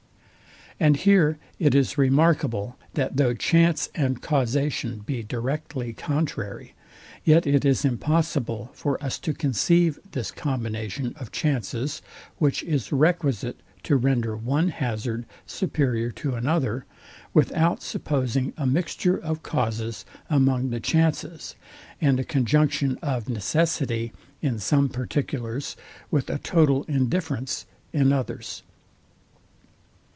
And here it is remarkable, that though chance and causation be directly contrary, yet it is impossible for us to conceive this combination of chances, which is requisite to render one hazard superior to another, without supposing a mixture of causes among the chances, and a conjunction of necessity in some particulars, with a total indifference in others.